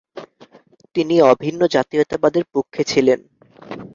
তিনি অভিন্ন জাতীয়তাবাদের পক্ষে ছিলেন।